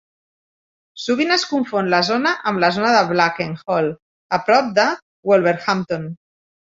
Sovint es confon la zona amb la zona de Blakenhall, a prop de Wolverhampton.